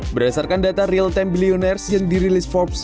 berdasarkan data real time bilioners yang dirilis forbes